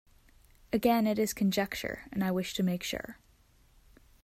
Again it is conjecture, and I wish to make sure.